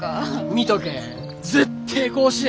見とけえ。